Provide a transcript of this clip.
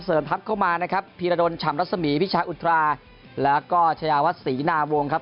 เพื่อเสริมทัพเข้ามานะครับพิราดนฉ่ำรัศมีพิชาอุทราแล้วก็ชายาวัศษีหนาวงครับ